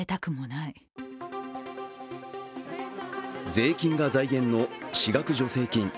税金が財源の私学助成金。